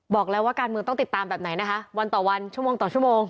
บอกแล้วว่าการเมืองต้องติดตามแบบไหนนะคะวันต่อวันชั่วโมงต่อชั่วโมง